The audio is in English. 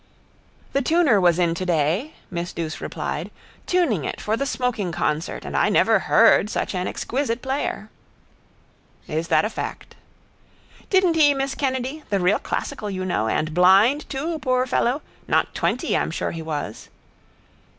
—The tuner was in today, miss Douce replied, tuning it for the smoking concert and I never heard such an exquisite player. —Is that a fact? —Didn't he, miss Kennedy? The real classical, you know. And blind too, poor fellow. Not twenty I'm sure he was.